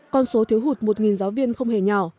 con số thiếu hụt một giáo viên không hề nhỏ